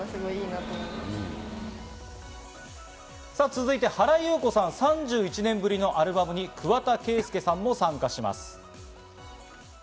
続いて原由子さん、３１年ぶりのアルバムに桑田佳祐さんも参加します。